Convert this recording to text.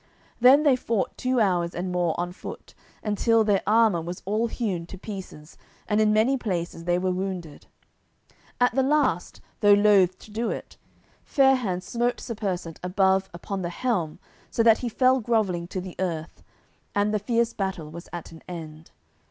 Then they fought two hours and more on foot, until their armour was all hewn to pieces, and in many places they were wounded. At the last, though loath to do it, Fair hands smote Sir Persant above upon the helm so that he fell grovelling to the earth, and the fierce battle was at an end.